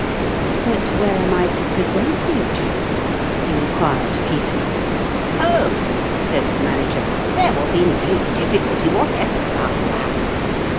" But where am I to present these cheques ?" inquired Peter. "Oh!" said the Manager, "there will be no difficulty whatever about that.